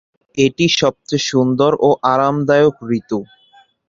এটি সবচেয়ে সুন্দর ও আরামদায়ক ঋতু।